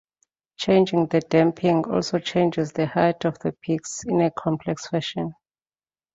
Changing the damping also changes the height of the peaks, in a complex fashion.